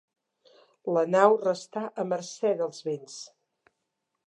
La nau restà a mercè dels vents.